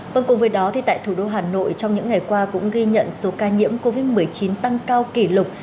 vâng cùng với đó tại thủ đô hà nội trong những ngày qua cũng ghi nhận số ca nhiễm covid một mươi chín tăng cao kỷ lục